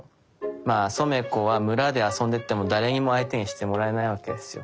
まぁソメコは村で遊んでても誰にも相手にしてもらえないわけですよ。